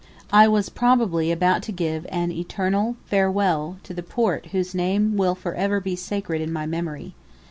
I was probably about to give an eternal farewell to the port whose name will for ever be sacred in my memory.